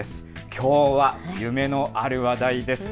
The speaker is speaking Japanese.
きょうは夢のある話題です。